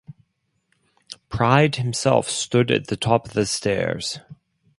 Pride himself stood at the top of the stairs.